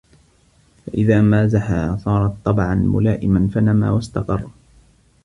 فَإِذَا مَازَحَهَا صَارَتْ طَبْعًا مُلَائِمًا فَنَمَا وَاسْتَقَرَّ